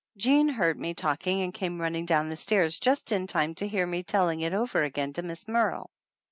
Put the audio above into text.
Jean heard me talking and came running down the stairs just in time to hear me telling it over again to Miss Merle.